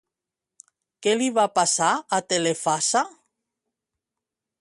Què li va passar a Telefassa?